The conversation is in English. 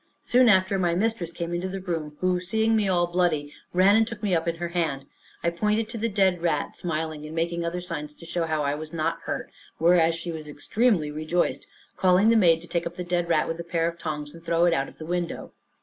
Soon after, my mistress came into the room, who seeing me all bloody, ran and took me up in her hand. I pointed to the dead rat, smiling, and making other signs, to show I was not hurt; whereat she was extremely rejoiced, calling the maid to take up the dead rat with a pair of tongs, and throw it out of the window.